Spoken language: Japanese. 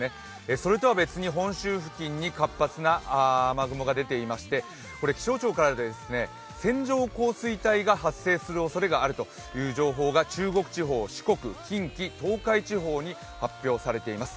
それとは別に本州付近に活発な雨雲が出ていまして気象庁から線状降水帯が発生するおそれがあるという情報が中国地方、四国、近畿、東海地方に発表されています。